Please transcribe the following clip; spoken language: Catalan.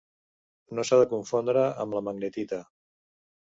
No s'ha de confondre amb la magnetita.